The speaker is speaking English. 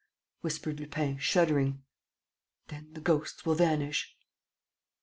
whispered Lupin, shuddering. "Then the ghosts will vanish. .